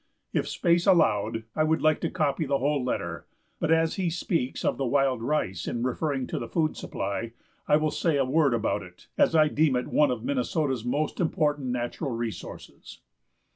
If space allowed, I would like to copy the whole letter; but as he speaks of the wild rice in referring to the food supply, I will say a word about it, as I deem it one of Minnesota's most important natural resources.